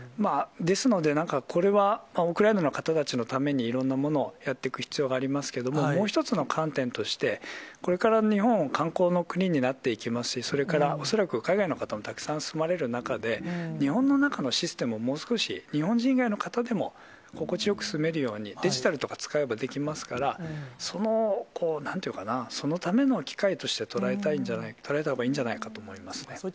ですので、なんかこれはウクライナの方たちのためにいろんなものをやっていく必要がありますけれども、もう一つの観点として、これから日本は観光の国になっていきますし、それから恐らく海外の方もたくさん住まれる中で、日本の中のシステムをもう少し、日本人以外の方でも心地よく住めるように、デジタルとか使えばできますから、その、なんていうかな、そのための機会として捉えたほうがいいんじゃないかと思いますね。